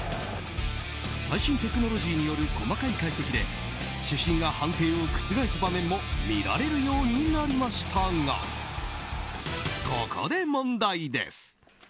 最新テクノロジーによる細かい解析で主審が判定を覆す場面も見られるようになりましたがここで問題です。